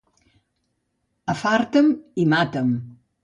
Afarta'm i mata'm.